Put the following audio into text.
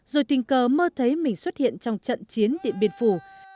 rồi tình cờ mơ thấy mình xuất hiện trong trận chiến điện biên phủ